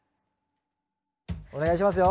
お願いしますよ。